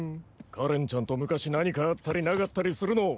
花恋ちゃんと昔何かあったりなかったりするの？